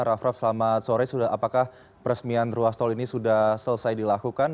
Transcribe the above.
raff raff selamat sore apakah peresmian ruas tol ini sudah selesai dilakukan